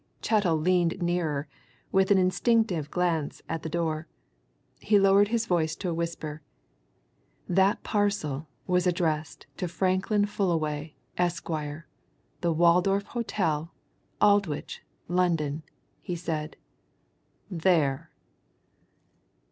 Chettle leaned nearer, with an instinctive glance at the door. He lowered his voice to a whisper. "That parcel was addressed to Franklin Fullaway, Esq., The Waldorf Hotel, Aldwych, London," he said. "There!"